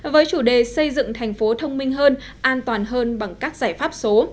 với chủ đề xây dựng thành phố thông minh hơn an toàn hơn bằng các giải pháp số